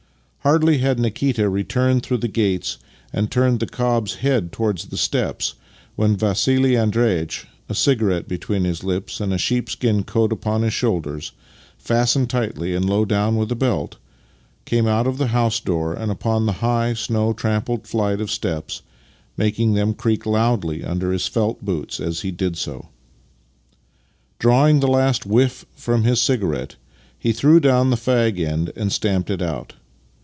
Hardly had Nikita returned through the gates and turned the cob's head towards the steps when Vassili Andreitch — a cigarette between his lips, and a sheepskin coat upon his shoulders, fastened tightly and low down with a belt — came out of the house door upon the high, snow trampled flight of steps, making them creak loudly under his felt boots as he did so. Drawing the last whiff from his cigarette, he threw down the fag end and stamped it oui.